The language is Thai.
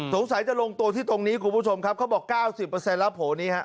สงสัยจะลงโตที่ตรงนี้ครับคุณผู้ชมครับเค้าบอก๙๐แล้วโหนี้ฮะ